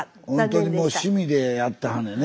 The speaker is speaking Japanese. ほんとにもう趣味でやってはんねんね。